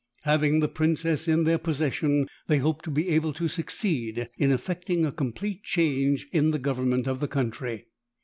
Having the princess in their possession, they hoped to be able to succeed in effecting a complete change in the government of the country.